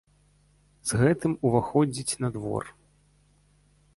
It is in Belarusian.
З гэтым уваходзіць на двор.